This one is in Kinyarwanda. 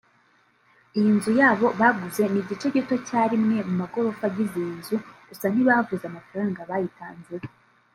Iyi nzu yabo baguze ni igice gito cya rimwe mu magorofa agize iyi nzu gusa ntibavuze amafaranga bayitanzeho